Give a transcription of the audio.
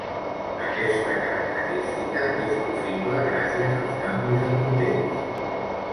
Aquesta característica és possible gràcies als canvis de context.